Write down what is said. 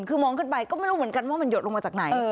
คือมองขึ้นไปก็ไม่รู้เหมือนกันว่ามันหดลงมาจากไหน